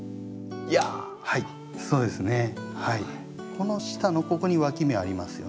この下のここにわき芽ありますよね。